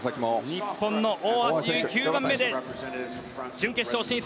日本の大橋悠依は９番目で準決勝進出。